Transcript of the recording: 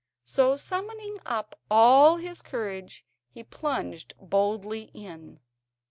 So summoning up all his courage he plunged boldly in.